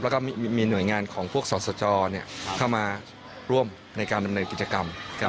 แล้วก็มีหน่วยงานของพวกศาสตร์จอเนี่ยเข้ามาร่วมในการดำเนินกิจกรรมครับ